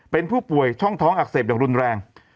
เป็นผู้ป่วยช่องท้องอักเสบอย่างรุนแรง